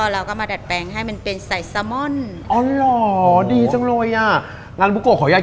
แล้วก็มาดัดแปลงให้มันเป็นสายทราบ